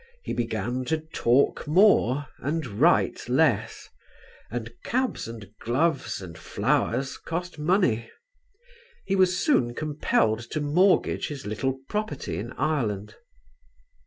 He began to talk more and write less, and cabs and gloves and flowers cost money. He was soon compelled to mortgage his little property in Ireland.